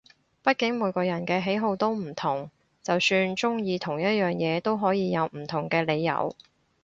畢竟每個人嘅喜好都唔同，就算中意同一樣嘢都可以有唔同嘅理由